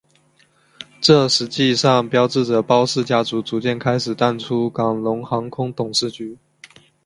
这实际上标志着包氏家族逐渐开始淡出港龙航空董事局。